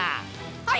はい！